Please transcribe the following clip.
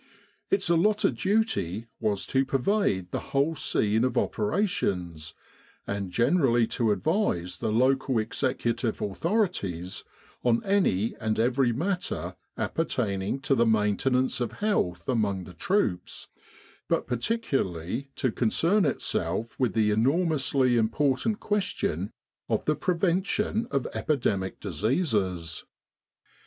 Its allotted duty was to pervacle the whole scene of operations, and generally to advise the local execu tive authorities on any and every matter appertain ing to the maintenance of health among the troops, but particularly to concern itself with the enormously important question of the prevention of epidemic diseases.